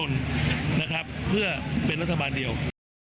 นะครับเพื่อเป็นรัฐบาลเดียว